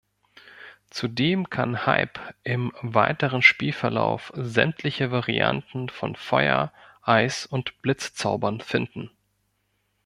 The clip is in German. Zudem kann Hype im weiteren Spielverlauf sämtliche Varianten von Feuer-, Eis- und Blitz-Zaubern finden.